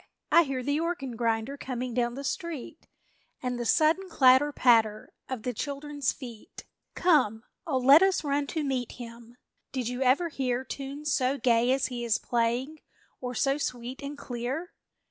I hear the organ grinder Coming down the street, And the sudden clatter patter Of the children's feet! Come, oh, let us run to meet him! Did you ever hear Tunes so gay as he is playing, Or so sweet and clear?